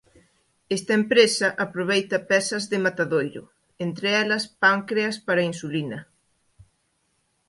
Esta empresa aproveita pezas de matadoiro, entre elas páncreas para insulina;